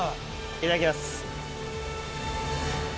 いただきます。